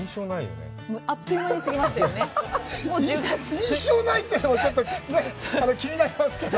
印象ないというのも、ちょっと気になりますけど。